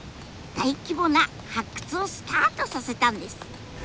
大規模な発掘をスタートさせたんです。